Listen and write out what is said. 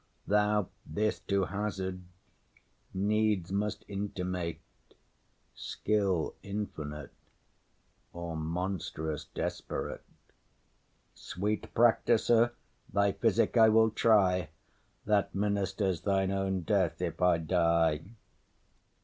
Thou this to hazard needs must intimate Skill infinite, or monstrous desperate. Sweet practiser, thy physic I will try, That ministers thine own death if I die.